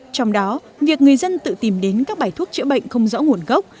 trong đó việc người dân tự tìm đến các bài thuốc chữa bệnh không rõ nguồn gốc